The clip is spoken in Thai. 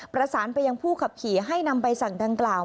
ประสานไปยังผู้ขับขี่ให้นำใบสั่งดังกล่าว